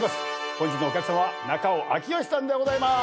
本日のお客さまは中尾明慶さんでございます。